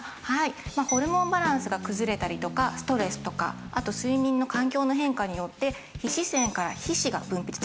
ホルモンバランスが崩れたりとかストレスとかあと睡眠の環境の変化によって皮脂腺から皮脂が分泌されます。